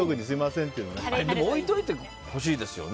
あれ、置いておいてほしいですよね。